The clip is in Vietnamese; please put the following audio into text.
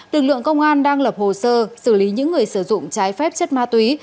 lực lượng công an đang lập hồ sơ xử lý những người sử dụng trái phép chất ma túy